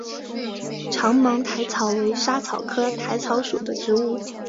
长芒薹草为莎草科薹草属的植物。